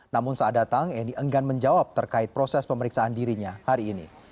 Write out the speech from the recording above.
namun saat datang eni enggan menjawab terkait proses pemeriksaan dirinya hari ini